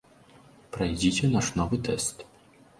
Прайдзіце наш новы тэст.